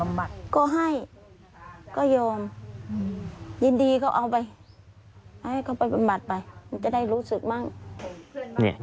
มันจะได้รู้สึกมาก